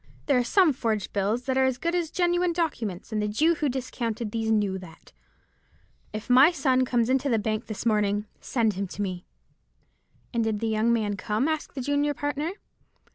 There are some forged bills that are as good as genuine documents; and the Jew who discounted these knew that. If my son comes into the bank this morning send him to me.'" "And did the young man come?" asked the junior partner.